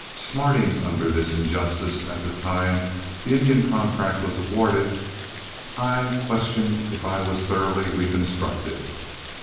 Smarting under this injustice at the time the Indian contract was awarded, I question if I was thoroughly _reconstructed.